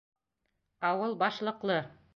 Ауыл -башлыҡлы.